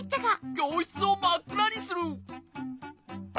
きょうしつをまっくらにする。